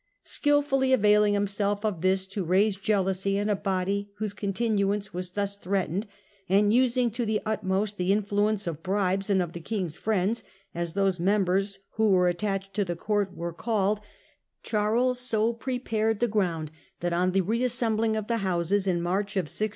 Skilfully availing himself of this to raise jealousy in a body whose continuance was thus threatened, and using to the utmost the influence of bribes and of the ' King's friends/ as those members who were attached to the court were The called, Charles so prepared the ground that Triennial 16 on reas sembling of the Houses in March Bill.